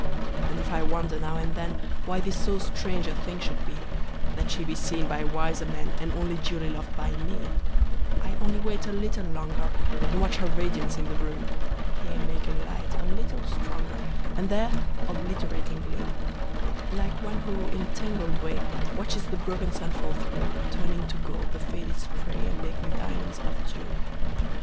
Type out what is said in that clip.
And if I wonder now and thenWhy this so strange a thing should be—That she be seen by wiser menAnd only duly lov'd by me:I only wait a little longer, And watch her radiance in the room; Here making light a little stronger, And there obliterating gloom,(Like one who, in a tangled way, Watches the broken sun fall through, Turning to gold the faded spray, And making diamonds of dew).